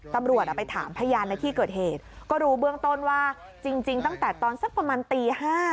ตำรวจไปถามพยานในที่เกิดเหตุก็รู้เบื้องต้นว่าจริงตั้งแต่ตอนสักประมาณตี๕